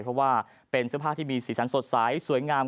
เพราะว่าเป็นเสื้อผ้าที่มีสีสันสดใสสวยงาม